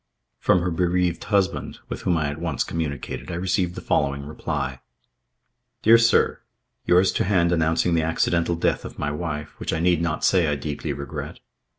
From her bereaved husband, with whom I at once communicated, I received the following reply: "Dear Sir, "Yours to hand announcing the accidental death of my wife, which I need not say I deeply regret.